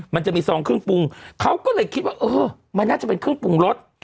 มันจะมีซองเครื่องปรุงเขาก็เลยคิดว่าเออมันน่าจะเป็นเครื่องปรุงรส